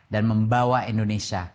dan membawa indonesia